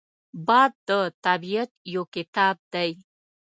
باد د طبیعت یو کتاب دی